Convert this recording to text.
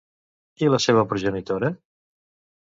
I la seva progenitora?